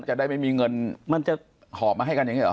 จะได้ไม่มีเงินมันจะหอบมาให้กันอย่างนี้หรอ